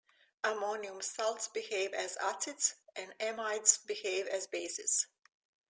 Ammonium salts behave as acids, and amides behave as bases.